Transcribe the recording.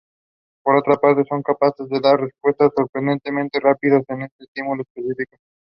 It is part of the East Hampshire Hangers Special Area of Conservation.